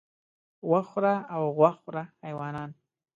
وښ خوره او غوښ خوره حیوانان